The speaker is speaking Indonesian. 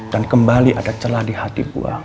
dan kembali ada celah di hati gue